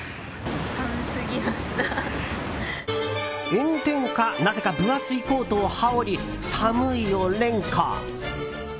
炎天下、なぜか分厚いコートを羽織り「寒い」を連呼。